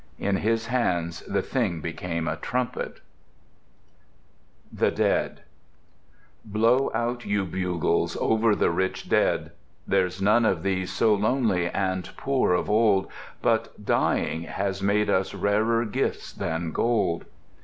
"In his hands the thing became a trumpet"— THE DEAD Blow out, you bugles, over the rich Dead! There's none of these so lonely and poor of old, But, dying, has made us rarer gifts than gold.